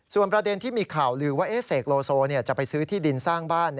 ส่วนประเด็นที่มีข่าวลือว่าเสกโลโซจะไปซื้อที่ดินสร้างบ้าน